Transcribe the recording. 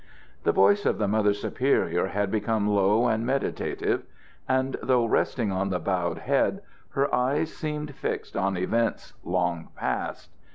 The voice of the Mother Superior had become low and meditative; and, though resting on the bowed head, her eyes seemed fixed on events long past.